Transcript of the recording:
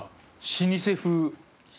老舗風。